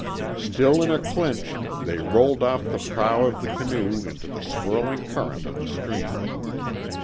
Still in a clinch they rolled off the prow of the canoe into the swirling current of the stream.